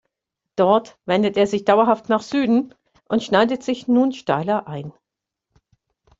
Dort wendet er sich dauerhaft nach Süden und schneidet sich nun steiler ein.